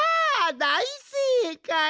だいせいかい！